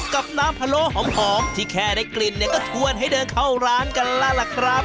กับน้ำพะโล้หอมที่แค่ได้กลิ่นเนี่ยก็ชวนให้เดินเข้าร้านกันแล้วล่ะครับ